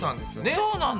そうなんだ。